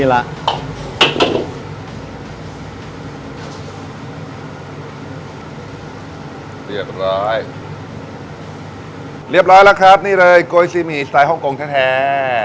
เรียบร้อยแล้วครับนี่เลยโกยซีหมี่สไตล์ฮ่องกงแท้